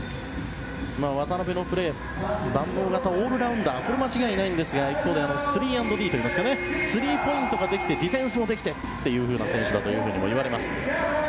渡邊のプレーは万能型でオールラウンダーこれは間違いないんですがスリーポイントができてディフェンスもできてという選手だといわれます。